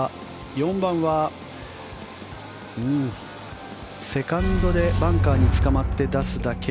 ４番はセカンドでバンカーにつかまって出すだけ。